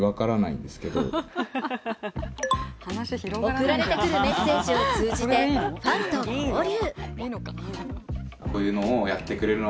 送られてくるメッセージを通じてファンと交流。